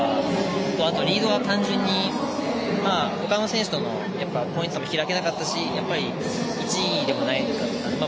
あとリードは単純に他の選手との差も開けなかったし１位でもないので。